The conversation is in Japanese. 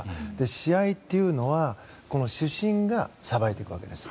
試合というのは主審がさばいていくわけです。